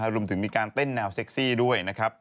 รวมถึงมีการเต้นแนวเซ็กซี่ด้วยนะครับ